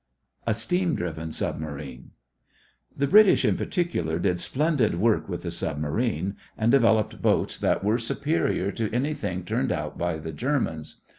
A STEAM DRIVEN SUBMARINE The British in particular did splendid work with the submarine and developed boats that were superior to anything turned out by the Germans.